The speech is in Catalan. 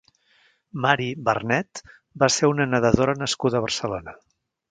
Mary Bernet va ser una nedadora nascuda a Barcelona.